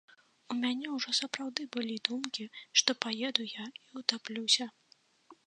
У мяне ўжо сапраўды былі думкі, што паеду я і ўтаплюся.